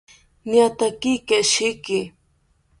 Niataki keshiki